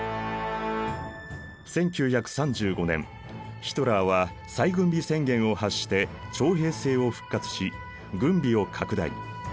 １９３５年ヒトラーは再軍備宣言を発して徴兵制を復活し軍備を拡大。